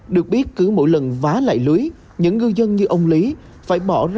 được biết cứ mỗi lần phá lại lưới những ngư dân như ông lý phải bỏ ra năm bảy triệu đồng